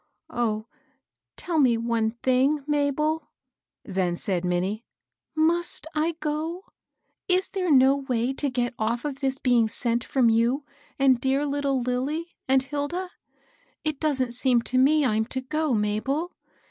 " Oh, tell me one thing, Mabel," then said Minnie, —" must I go ? Is there no way to get off of this being sent firom you and dear Uttle Lilly and Hilda ? It doesn't seem to me I'm to go, Mabel.